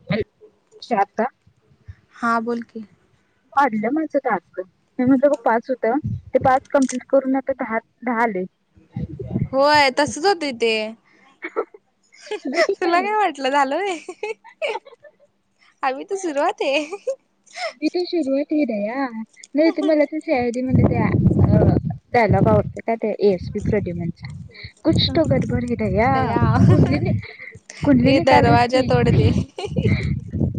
[unintelligible] हां बोल की. अडलं माझं टास्क मी म्हटलं गं पाच होत्या ते पाच कमप्लीट करून [inaudible] दहा आले. होय तसच होत ते तुझं किती तुला आले काय वाट इथल झालय होय, अभि तो सुरुवात है. अ भी तो शुरवात है दया, नाही तुम्हाला. स आय डी मध्ये त्या डायलॉग आवडत का? त्या ए एसपी कोडमचा. कुछ तो गडबड है दया. तया [unintelligible] ये कुडलेली कालीस दरवाजा तोड दे की.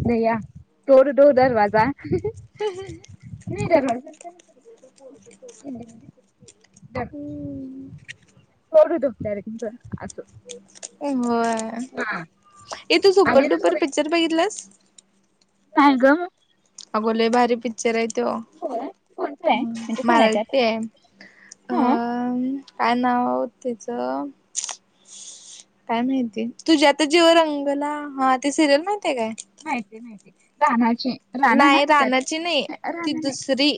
दया तोड थोड तो दरवाजा, नाही दरवाजा. [inaudible] इंडि. [inaudible] धर [unintelligible] हो, हा इ थू आणि दुसरं सुपरडुपर पिक्चर बघितलंस? नाय ग!. अगो लय भारी, पिक्चर आहे तो. होय कोणतं आहे म्हणजे कोण त्यात मराठी आहे अ. हा अम्म काय नाव त्याच. काय माहितीय, तुझ्या त जीव रंगला हा ते सिरियल माहिती आहे काय? माहिती आहे माहिती राणाची राणा नाही नाक रानाची नाही राणा ती नाही. दुसरी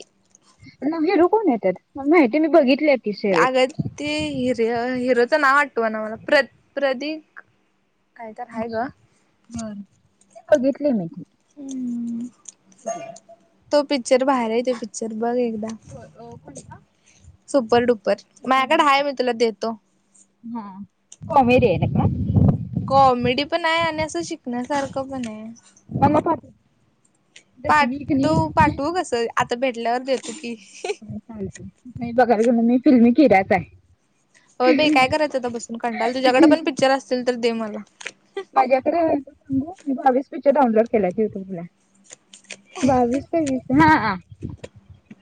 हेरू कोण येतात? म माहिती मी बघितले. अग ते, हिर हिरोच नाव वाटव ना मला प्र प्रदीक. कायतर, आहे अच्छा ग. बर बघितले मी ते हम्म. [inaudible] तो पिक्चर भारी तो पिक्चर बघ एकदा. कोणता सुपरडुपर सुपर माया कड डुपर. आहे मी तुला देतो. हा, कॉमेडी हाय नाय काय? कॉमेडी पण हाय आणि असं शिकण्यासारखं पण हाय. मला पन!. पाठ वू पाठवू कस आता भेटल्यावर देतो की. ांग नाही बघायला गेल, मी फिल्मी किरायच आहे. होय भी काय करायं आता बसून, कंटायला तुयाकडे पण पिक्चर असतील तर दे म्हण. माझ्याकडे व्हय सांग बावीस वीस पिच्चर डाऊनोड केलंत युट्यूब ला. बावीस काय वीस? हा.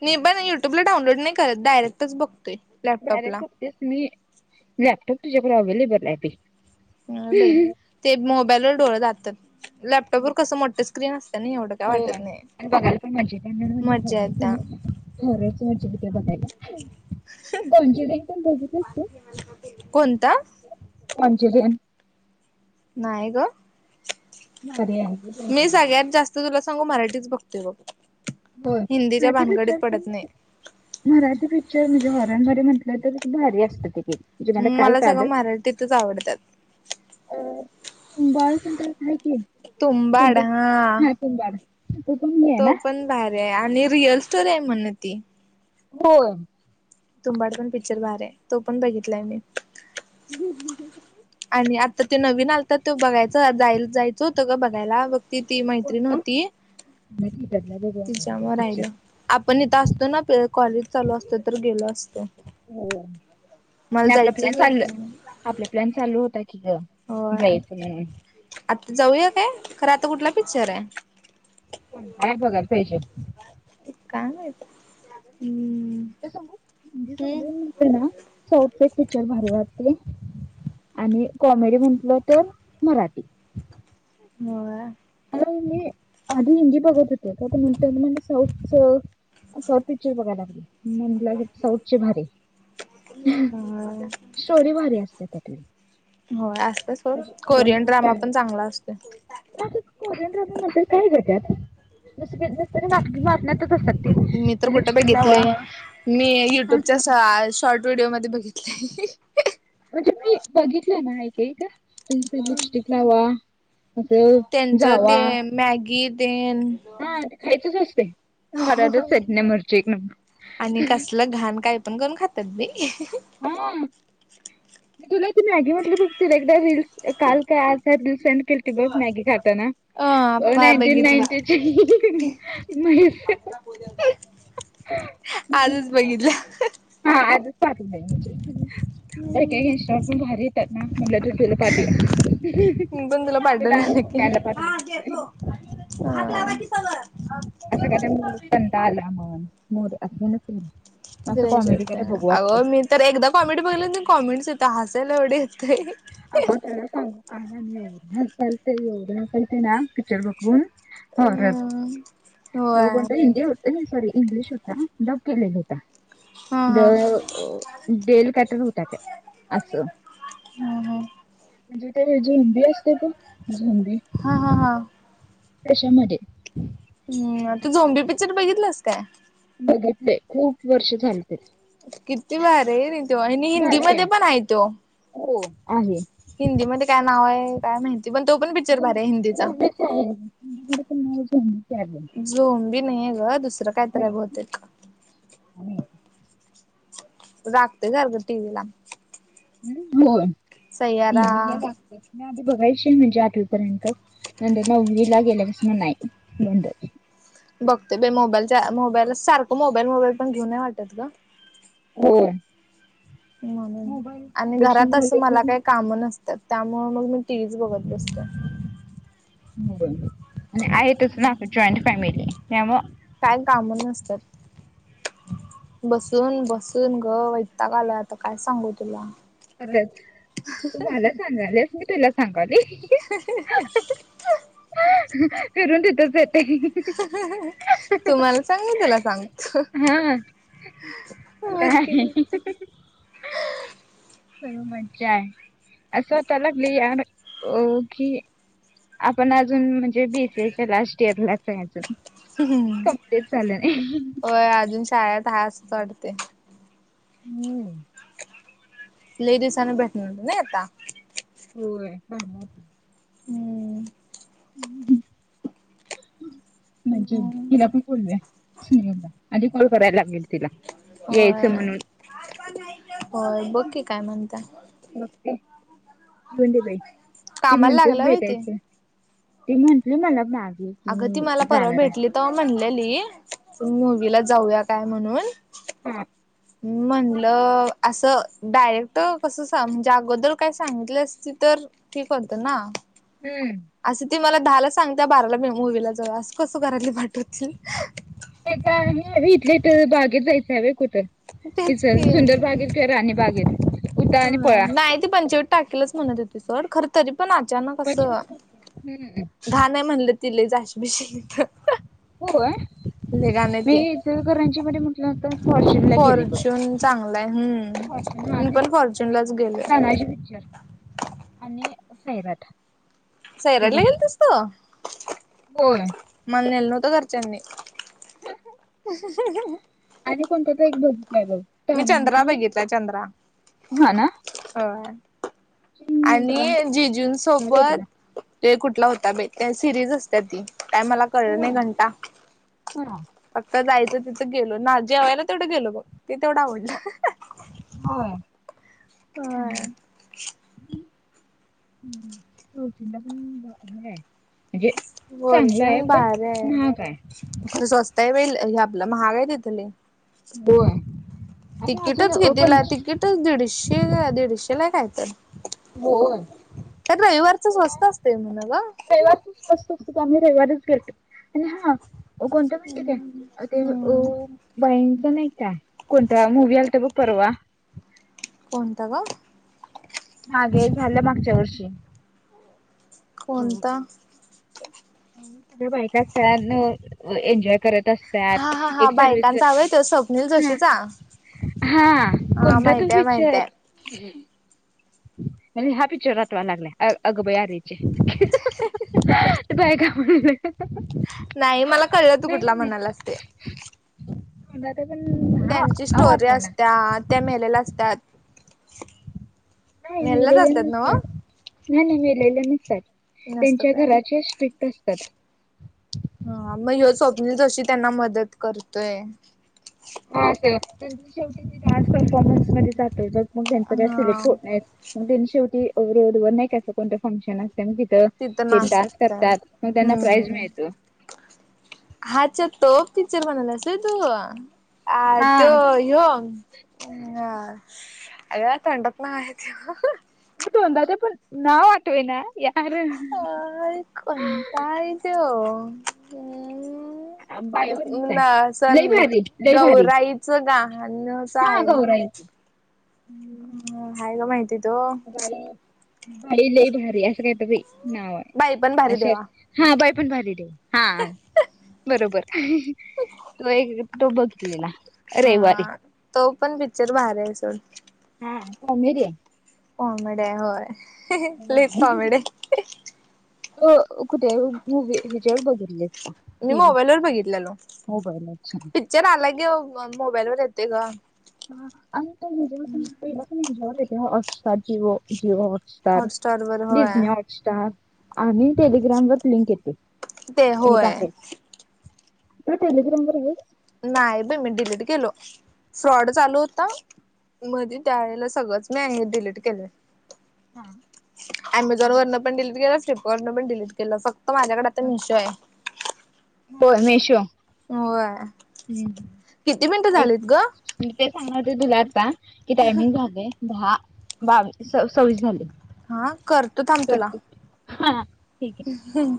मी पण युट्यूबला डाऊनलोड नाही करत डायरेक्टच बतोय. बर फक्तेस मी, लॅपटॉप तुझ्याकडे अवे्लेबल आहे बी. नाय बाई, ते मोबाईलवर डोळ जातात लॅपटॉपवर कसं मोठ स्क्रीन असत ना एवढं. काय हो वाटत नाही. आणि बघायला पण माजे म्हणजेर मज्जा येत्या खरच म्हणजे ते बघायला. [unintelligible] कॉन्फिडन्ट, बघत असते. कोणता? [unintelligible] नाही ग भारी आहे मी डेंजर आहे. सगळ्यात जास तुला सांगू, मराठीच बघते बघ, होय. हिंदीच्या मराठी भानगडीत पिक्चर पण पडत नाही. मराठी पिक्चर म्हणजे हॉरन म्हणे म्हटलं तर, भारी असतं ते. म्हणजे काल मला कळालं सगळं मराटीतच आवडतात. तर कुंबाळ कोणत आहे की, कोणत हा कुंबाळ. तो पण भारी आहे, आणि रिअल स्टोरी आहे म्हण ती. होय! तुंबाड पण पिक्चर बाहेर आहे तो पण बघितलाय मी. हं हं हं हं हं [unintelligible] आणि आता ते नवीन आलत तो बघायच जायला जायचं होतं ग बघायला बघ ति ती मैत्रीण कोणता? होती. मला थिएटरला बघू वाटलंय तिच्यामुळ राहिल. पिक्चर. आपण इथं असतो ना, कॉलेज चालू असतो तर गेलो असत. [unintelligible] आपलं प्लॅन चालू आपला प्लॅन चालू होता कि होय जायचं म्हणून आता जाऊया काय खरं आता कुठला पिक्चर आहे? हा बघायला पाहिजे. काय माहित. हम्म हम्म सते ना स पिक्चर भर लागते [unintelligible] आणि कॉमेडी म्हटलं तर मराठी. होय. मी आधी हिंदी बघत होते काण म्हण मला साऊथच तो पिच्चर बघा लागलोय. म्हणलं के साऊतची भारी होय स्टोरी भारी असते त्यातली. होय असतय सोड म्हणजे इव्हन कोरियन ड्रामा पण फॅमिली चांगला असतोय. कोरियन ड्रामा म्हणत्यात काय आहे ग त्यात? [unintelligible] मी तर कुठे बेघितलेय मी युट्यूबच्या सा असं शॉर्ट व्हीडिओ मध्ये बघितलय. म्हणजे मी बघितलं ना ऐकक, तुमचं लिपस्टिक लावा. असे त्यांचं जावा ते मॅगी तेन हा, ते खायचच असते. आणि [unintelligible] कसलं घाण काय पण करून खातात बाई. हा. मी तुला ती मॅगी म्हटली बघतली बग तिला एकदा रील्स काल काय आ सेंड केलती बघ मॅगी खाताना हो, अ नाईन्टीन बघितले नाईनटीची हं हं हं.. आजच बघितलं. हा आजच पाठवलं मी ते. काय काय इन्स्टॉलला पण भारी येतात ना म्हणला जा तुला पाठवूया. स्नेहाला पाठवत हां देतो असते भात लावा की तवर. असं काहीतरी मोर कंटाळा आला मोर तत [unintelligible] अगं मी तर एकदा कॉमेंडी बघलं नाही कॉमेंट्स येत हासायला एवढ येतय अ त्याला सांगू का एवढं हसायचे ते एवढं हसायचे ते ना पिक्चर बघून. अ होरर होय दो घंट हिंदी होत. अ नाही सॉरी इंग्लिश होता डब केलेला होता. हा द हा डेल काहीतरी होता त्या असं. हम्. म्हणजे ते झोंबी असते बग झोंबी. हा हां हां. त्याचामध्ये हम् तू झोंबी पिक्चर बघितलंस काय? बघितले खूप वर्ष झाले तिला. किती भारी ये रे तो, आणि हिंदी मध्ये पण आहे तो. हो आहे. हिंदीमध्ये काय नाव आहे काय माहिती पण तो पण पिक्चर भर आहे हिंदीचा. [unintelligible] जोम्बी नाहीेये गं दुसरं कायतरी आहे बहुतेक. आणि [unintelligible] लागते घरातल्या टीव्ही ला. हो सैयारा तते म आधी बघायशील म्हणजे आठवि पर्यंत [unintelligible] नंदे नववीला गेल्यापासन नाही बंदच. बघतोय बाई मोबाईलच्या मोबाईलला सारखं मोबाईल मोबाईल पण घेऊन नाही वाटत ग. हो. म्हणून आणि ॲडिक्शन घरात असं, झाले की मला काय काम नस त्यामुळं मग मी टिव्हीच बघत असतोय. हो आणि आहेतच ना आपली जॉईंट फॅमिली त्यामुळं काय कामं नसतात. बसून बसून ग वैताग आलंय आता काय सांगू तुला. खरंच तू मला सांगालीस मी तुला सांगाली. हं हं हं [unintelligible] फिरून तिथेच येतय. हं हं हं हं तू मला सांग मी तूला सांगतो. कायं हं हं. ब मज्जा आहे असं त्याला [unintelligible] लागली की आपण अजून म्हणजे बीसीएच्या लास्ट इयरलाच जायाच. होय, अजून शाळेत आहे असच वाटते. हम्म लंय दिवसांनी भेटलं नाही आता. होय चांगल हाय की. हम्म. हम् ह्म म्हणजे हम्म तिला आपण बोलूया स्नेहलला आधी कॉल करायला लागेल तिला. होय यायचं म्हणून होय बकी काय म्हणता घेऊन दे बाई ती कामाला म्हणतेच लागला व्हय ते. भेटायचं. ती म्हटंली मला मागे. की अगं ती मी मला परवा जाणार भेटली आहे तर म्हणलेली आपण मूवीला जाऊया काय म्हणून. [unintelligible] हमम म्हणलं असं डायरेक्ट कस स म्हणजे अगोदर काय सांगितली असती तर ठीक होत ना. हम्म. असं ती मला दहाला सांगते बाराला मुूवीला जाऊया असं कसं घरातील पाटवतील. ह इथले इथ बागेत जायचं हवे कुठं तेच तिचं की. सुंदर बागेत की राणी बागेत. उठा ह आणि पळा नाही ते पंचवटी टाकेलच म्हणत होती सोड खर तरी पण आचानक असं हम्म घाण आहे म्हणलं तिले जाशभिषी. होय, मी इचलकरंजीत मध्ये म्हटलं तर फाॅरच्युर फॉर्च्युून चांगलाय हम्. फॉरचुनला तिथ तानाजी पिक्चर आणि सैराट. तो सैराटला बघ गेलतीस तू? होय. मला नेल नव्हत घरच्यांनी. आणि कोणता तर एक बगितलाय बग. मी चंद्रा बघितलं चंद्रा हा ना होय चिंद्रा आणि भारी आहे जीजूंनसोबत. ते कुठला होता बे सिरिज असत्या ती काय मला कळल नाही घंटा. हां. फक्त जायचं तिथं गेलो ना जेवा्हायला तेवढं गेलो बग ते तेवढं आवडलं. बर हा होय. हा [inaudible] [unintelligible] म्हणजे चांगलं आहे फॉर्च्यून पण भारी महाग आहे. स्वस्त आहे वेल आपलं महाग आहे ईथ लयी. होय आणि अरे अजून अ कितीला पंचे तिकीटच दीडशे दीडशे ला काय तर होय त्यात रविवारचं स्वस्त असतय म्हण ग. त असत आम्ही रविवारच गेलतो आणि हा. अ कोणत माहिती काय ते अ हम्म बाईचं नाही काय कुंटाळा मूवी आलते बघ परवा. कोणता ग? मागे झालं मागच्या वर्षी. अ, कोणता? बायका तयार न एनजॉय करत असत्यात हा हा हा एक बायकांचा हवाय तो स्वप्नील सर्विसला जोशीचा हा हा कोणता तो माहितय पिक्चर? माहितय मला हा पिक्चर आठवायला लागलाय अग बाई अरेच्चा. [unintelligible] नाही मला कळलं तू कुठला म्हणायल्यास ते. [unintelligible] ते पण त्यांची नाव स्टोरी आठवेना असत्या त्या मेलेल्या असतात. नाही मेलेल्याच मेलेल्या असतात ना नसतात नाही नाही मेलेले नसतात. नसत त्यांच्या काय? घराचे स्ट्रिक्ट असतात हा मग हा स्वप्निल जोशी त्यांना मदत करतोय. शेवटी ते डान्स परफॉर्मन्स मध्ये जातो मग त्यांच काय हा सिलेक्ट होत नाही. मग त्यांनी शेवटीवर नाही क असं कोणतं फंक्शन असते मग तिथं ते डान्स करतात मग त्यांना प्राईज मिळतो. हा अछा तो पिक्चर म्हणाल्यास होय तू अ तो हां ह्यो अ अगं तोंडात आहे तो. तोंडात आहे पण नाव आठवना. काय कंटाळा येतो बायवलीच आहे. ना सण लई भारी लई भारी गौराईचं गाहणं हां आहे ना गौराईच. हम हाय ग बाई तिथं. बाई लय भारी असं काहीतरी नाव बाई पण आहे भारी अश देवा हा बाई पण भारी देवा हा बरोबर त एक तो बघितलेला रविवारी हा तो पण पिक्चर भारी आहे सोड. हा कॉमेडी आहे. कॉमेडी आहे होय लय कॉमेडी आहे. अ कुठे मूवी ह्याच्या बघितली आहेस का? मी टीव्ही मोबाईल वर बघितलेलो मोबाईल अच्छा पिक्चर आला कि मोबाईल वर येते ग. [unintelligible] हॉटस्टार जिओ जिओ हॉटस्टार वर होय डिज्नी हॉटस्टार. आणि टेलिग्रामवरर लिंक येते ते हे होय टाकायच तू टेलिग्राम वर आहेस? नाही बाई मी डिलीट केलो. फ्रॉड चालू होता मध्ये त्यावेळेला सगळंच मी डिलीट केल. अमेझॉन वरन पण डिलीट केलं फ्लिपकार्टन पण डिलीट केलं फक्त माझ्याकडे आता मीशो आहे होय. किती मिनिटं हम्म ऐक झालीत ग मी ते सांगणार होते तुला आता कि टायमिंग झाले. दहा बावी स सव्वीस झाले. हा करतो थांब तुला. करते हा ठीक. आहे हम्म.